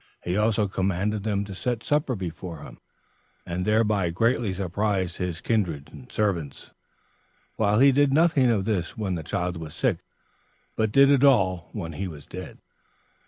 He also commanded them to set supper before him, and thereby greatly surprised his kindred and servants, while he did nothing of this when the child was sick, but did it all when he was dead.